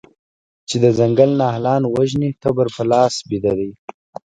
چې د ځنګل نهالان وژني تبر په لاس بیده دی